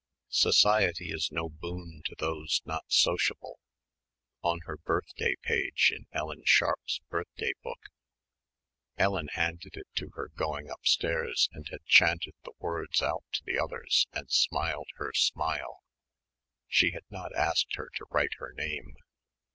"Society is no boon to those not sociable" on her birthday page in Ellen Sharpe's birthday book. Ellen handed it to her going upstairs and had chanted the words out to the others and smiled her smile ... she had not asked her to write her name